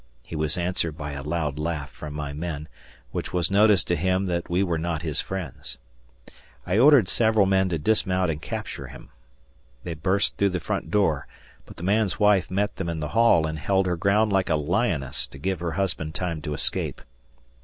He was answered by a loud laugh from my men, which was notice to him that we were not his friends. I ordered several men to dismount and capture him. They burst through the front door, but the man's wife met them in the hall and held her ground like a lioness to give her husband time to escape.